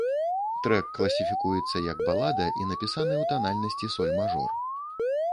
Трэк класіфікуецца як балада і напісаны ў танальнасці соль мажор.